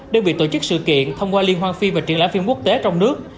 đơn vị tổ chức sự kiện thông qua liên hoan phim và triển lãm phim quốc tế trong nước